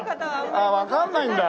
あっわかんないんだ。